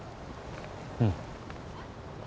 うん。